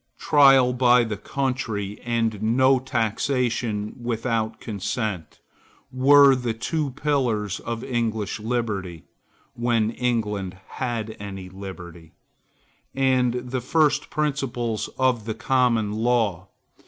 Trial by the country, and no taxation without consent, were the two pillars of English liberty, (when England had any liberty,) and the first principles of the Common Law.